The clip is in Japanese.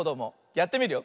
やってみるよ。